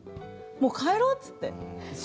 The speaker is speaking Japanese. もう帰ろうって言って。